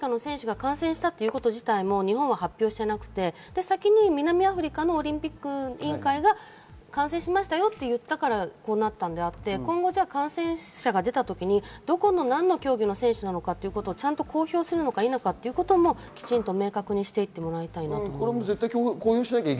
南アフリカの選手が感染したということ自体も日本は発表していなくて、先に南アフリカのオリンピック委員会が感染したと言ったから、こうなったのであって今後、感染者が出た時に何の競技の選手かということを公表するのか否かもきちんと明確にしてもらいたいです。